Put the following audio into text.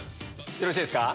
よろしいですか。